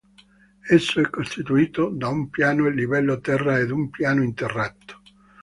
Esso è costituito da un piano a livello terra ed un piano interrato.